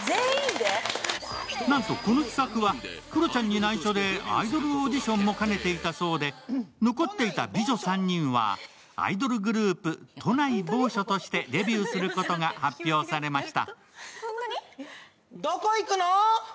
なんとこの企画はクロちゃんに内緒でアイドルオーディションも兼ねていたそうで残っていた美女３人はアイドルグループ、都内某所としてデビューすることが発表されました。